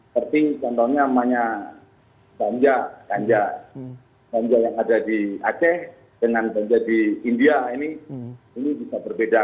seperti contohnya namanya banjar ganja yang ada di aceh dengan banja di india ini bisa berbeda